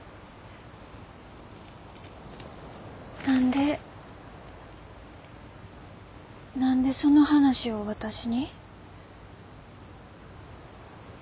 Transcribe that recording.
何で何でその話を私に？